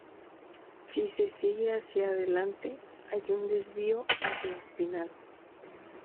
Si se sigue hacia adelante, hay un desvío hacia Espinal.